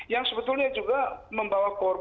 yang sebetulnya juga membawa korban